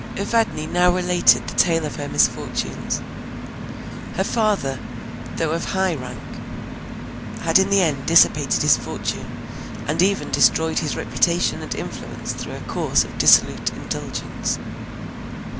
Evadne now related the tale of her misfortunes. Her father, though of high rank, had in the end dissipated his fortune, and even destroyed his reputation and influence through a course of dissolute indulgence.